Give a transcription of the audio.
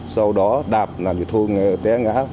sau đó đạp làm chị thu té ngã